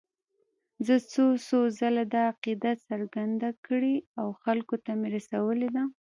زه څو څو ځله دا عقیده څرګنده کړې او خلکو ته مې رسولې ده.